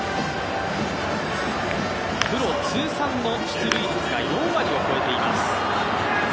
プロ通算出塁率が４割を超えています。